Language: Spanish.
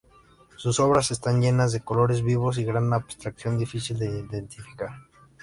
Sus obras están llenas de colores vivos y gran abstracción difícil de identificar.